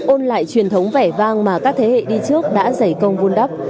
ôn lại truyền thống vẻ vang mà các thế hệ đi trước đã giải công vun đắp